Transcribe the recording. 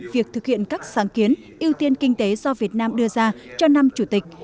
việc thực hiện các sáng kiến ưu tiên kinh tế do việt nam đưa ra cho năm chủ tịch